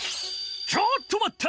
ちょっとまった！